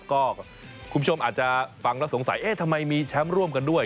ก็คุณผู้ชมอาจจะฟังแล้วสงสัยเอ๊ะทำไมมีแชมป์ร่วมกันด้วย